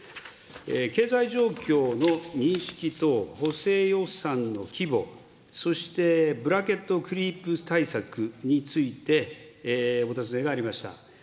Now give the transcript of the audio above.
経済状況の認識と補正予算の規模、そしてブラケットクリープ対策についてお尋ねがありました。